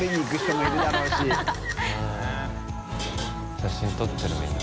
写真撮ってるみんな。